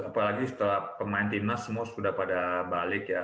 apalagi setelah pemain timnas semua sudah pada balik ya